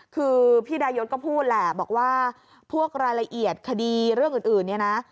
คือพี่ดายศก็พูดแหละบอกว่าพวกรายละเอียดคดีเรื่องอื่นเนี่ยนะ